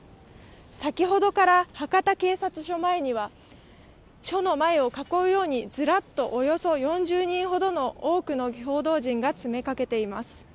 先ほどから博多警察署前には署の前を囲うようにずらっと４０人ほどの多くの報道陣が詰めかけています。